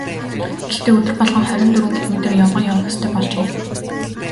Гэхдээ өдөр болгон хорин дөрвөн километр явган явах ёстой болжээ.